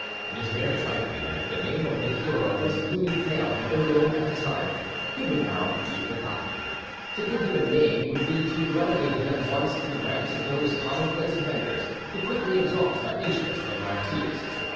It is very likely that if the name of the hero of this gloomy tale had been known at the time, he would now be forgotten. To give him a name would be to relegate him at once to the ranks of those commonplace offenders who quickly exhaust our interest and our tears.